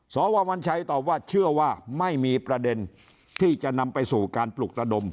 สววัญชัยตอบว่าเชื่อว่าไม่มีประเด็นที่จะนำไปสู่การปลุกระดม